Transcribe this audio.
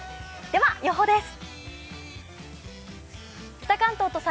では予報です。